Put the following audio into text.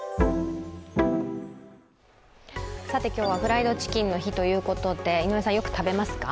今日はフライドチキンの日ということで、井上さん、よく食べますか？